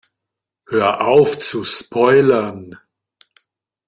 Hör auf zu spoilern!